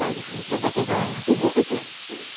ちょっと手ごわいですね。